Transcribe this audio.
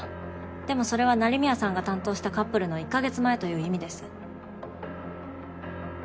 でもそれは成宮さんが担当したカップルの１か月前という意味です。